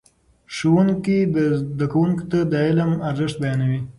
ښوونکي زده کوونکو ته د علم ارزښت بیانوي.